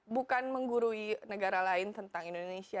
bukan menggurui negara lain tentang indonesia